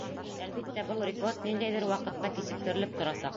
Әлбиттә, был рекорд ниндәйҙер ваҡытҡа кисектерелеп торасаҡ.